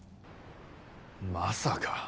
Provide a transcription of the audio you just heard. まさか。